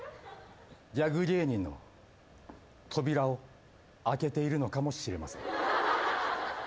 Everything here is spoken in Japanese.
ギャグ芸人の扉を開けているのかもしれません。